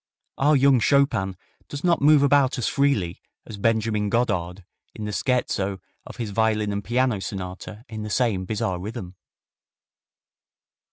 Our young Chopin does not move about as freely as Benjamin Godard in the scherzo of his violin and piano sonata in the same bizarre rhythm.